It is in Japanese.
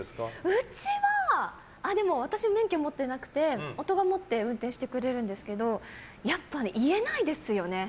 うちは、私免許持ってなくて夫が持ってて運転してくれるんですけどやっぱり言えないですよね。